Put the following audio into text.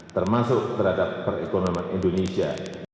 termasuk terhadap perekonomian indonesia